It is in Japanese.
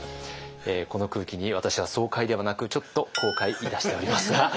この空気に私は爽快ではなくちょっと後悔いたしておりますが。